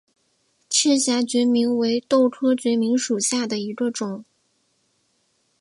翅荚决明为豆科决明属下的一个种。